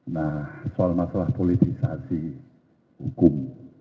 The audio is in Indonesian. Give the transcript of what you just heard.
nah soal masalah politisasi hukum